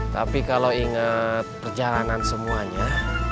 tapi kalau ingat perjalanan semuanya